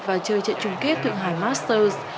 và chơi trận trung kết thượng hải masters